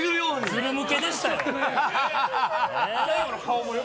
ずるむけでしたよ。